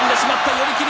寄り切り。